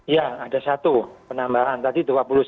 ya ada satu penambahan tadi satu ratus dua puluh sembilan